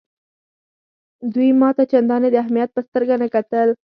دوی ما ته چنداني د اهمیت په سترګه نه کتل.